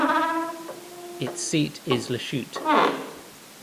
Its seat is Lachute.